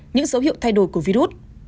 những dấu hiệu thay đổi của virus